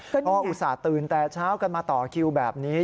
ก็อุตส่าห์ตื่นแต่เช้ากันมาต่อคิวแบบนี้